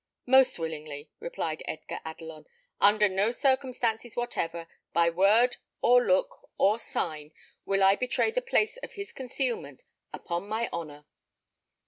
"Most willingly," replied Edgar Adelon; "under no circumstances whatever, by word, or look, or sign, will I betray the place of his concealment, upon my honour."